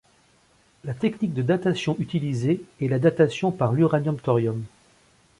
La technique de datation utilisée est la datation par l'uranium-thorium.